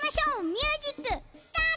ミュージックスタート！